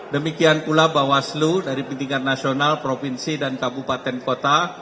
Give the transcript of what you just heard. demikian pula bawaslu dari tingkat nasional provinsi dan kabupaten kota